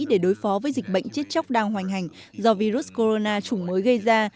để đối phó với dịch bệnh chết chóc đang hoành hành do virus corona chủng mới gây ra